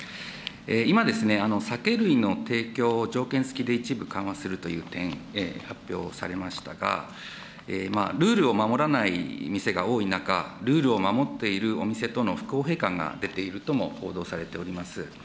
今、酒類の提供を条件付きで一部緩和するという点、発表されましたが、ルールを守らない店が多い中、ルールを守っているお店との不公平感が出ているとも報道されております。